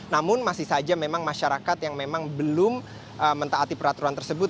namun masih saja memang masyarakat yang memang belum mentaati peraturan tersebut